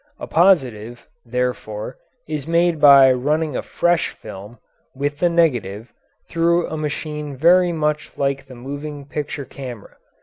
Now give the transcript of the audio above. A positive, therefore, is made by running a fresh film, with the negative, through a machine very much like the moving picture camera.